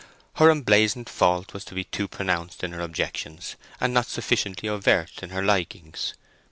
Her emblazoned fault was to be too pronounced in her objections, and not sufficiently overt in her likings.